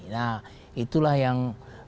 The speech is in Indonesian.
nah itulah yang